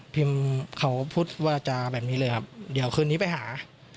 เขาพูดวาจาแบบนี้เลยครับเดี๋ยวคืนนี้ไปหา